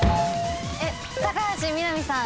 高橋みなみさん